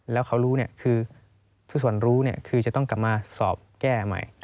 แล้วเขารู้คือทุกส่วนรู้คือจะต้องกลับมาสอบแก้ใหม่